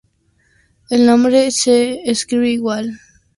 El nombre se escribe igual en castellano y euskera.